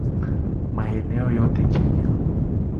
Maeneo yote Kenya